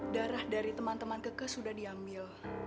darah dari teman teman kekes sudah diambil